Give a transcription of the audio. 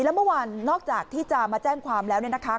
แล้วเมื่อวานนอกจากที่จะมาแจ้งความแล้วเนี่ยนะคะ